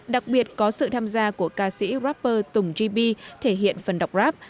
đặc biệt có sự tham gia của ca sĩ rapper tùng gb thể hiện phần đọc rap